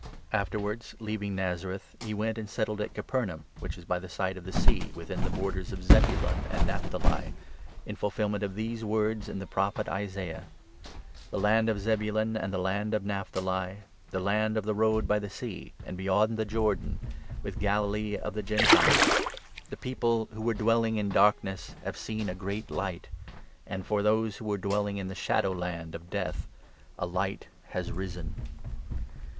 After Capernaum. wards, leaving Nazareth, he went and settled at Capernaum, which is by the side of the Sea, within the borders of Zebulun and Naphtali ; in fulfilment of these words in the Prophet Isaiah —' The land of Zebulun and the land of Naphtali, The land of the Road by the Sea, and beyond the Jordan, With Galilee of the Gentiles — The people who were dwelling in darkness Have seen a great Light, And, for those who were dwelling in the shadow land of Death, A Light has risen